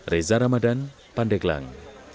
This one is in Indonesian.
reza ramadan pandeglang